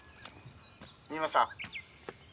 「三馬さん？」